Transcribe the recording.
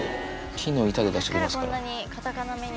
木の板で出してきますから。